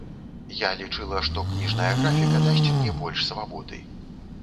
Я лічыла, што кніжная графіка дасць мне больш свабоды.